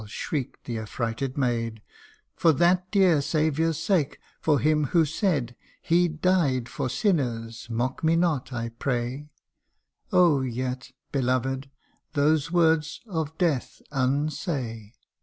" shriek 'd the affrighted maid, " For that dear Saviour's sake for him who said He died for sinners mock me not, I pray Oh ! yet, beloved, those words of Death unsay